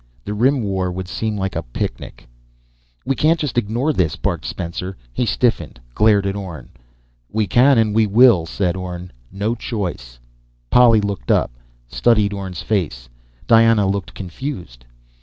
"The Rim War would seem like a picnic!" "We can't just ignore this!" barked Spencer. He stiffened, glared at Orne. "We can and we will," said Orne. "No choice." Polly looked up, studied Orne's face. Diana looked confused.